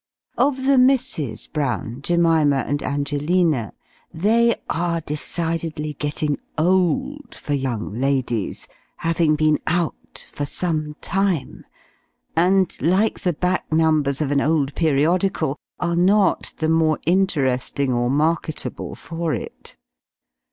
Of the Misses Brown, Jemima and Angelina, they are decidedly getting old for young ladies, having been "out" for some time; and, like the back numbers of an old periodical, are not the more interesting or marketable for it.